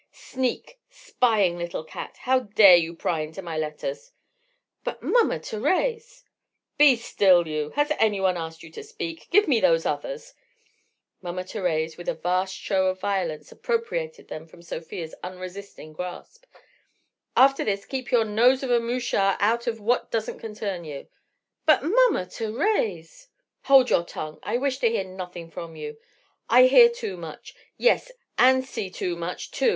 "Sneak! Spying little cat! How dare you pry into my letters?" "But, Mama Thérèse—!" "Be still, you! Has one asked you to speak? Give me those others"—Mama Thérèse with a vast show of violence appropriated them from Sofia's unresisting grasp—"and after this keep your nose of a mouchard out of what doesn't concern you!" "But, Mama Thérèse!—" "Hold your tongue. I wish to hear nothing from you, I hear too much—yes, and see too much, too!